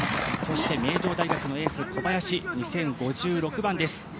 そして、名城大学のエース小林、２０５６番です。